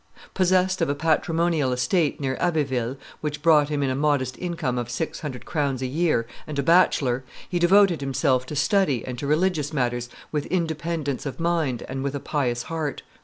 Possessed of a patrimonial estate, near Abbeville, which brought him in a modest income of six hundred crowns a year, and a bachelor, he devoted himself to study and to religious matters with independence of mind and with a pious heart.